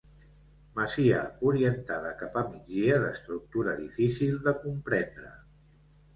Masia orientada cap a migdia d'estructura difícil de comprendre.